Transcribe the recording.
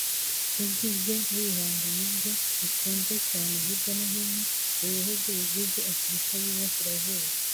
Ijwi rye n’ibihangano bye bikunzwe cyane hirya no hino mu bihugu bigize Afurika y’i Burasirazuba